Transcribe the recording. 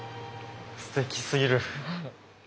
すてきすぎる。